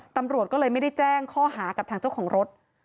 ตำรวจก็เลยไม่ได้แจ้งข้อหากับทางเจ้าของรถ